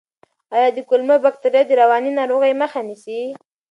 آیا کولمو بکتریاوې د رواني ناروغیو مخه نیسي؟